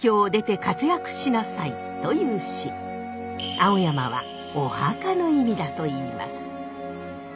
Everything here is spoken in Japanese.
青山はお墓の意味だといいます。